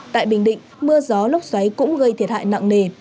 tại bình định mưa gió lốc xoáy cũng gây thiệt hại nặng nề